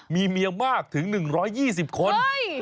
มีเมียมากถึง๑๒๐คน